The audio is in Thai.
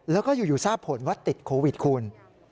แล้วก็อยู่ทราบผลว่าติดโควิดคุณ